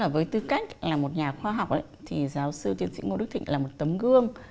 với tư cách là một nhà khoa học thì giáo sư tiến sĩ ngô đức thịnh là một tấm gương